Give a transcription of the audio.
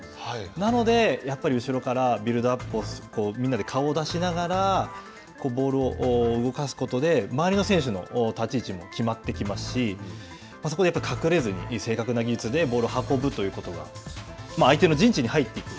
なので、やっぱり後ろからビルドアップをみんなで顔を出しながらボールを動かすことで周りの選手の立ち位置も決まってきますし、そこで隠れずに正確な技術でボールを運ぶということが相手の陣地に入っていく。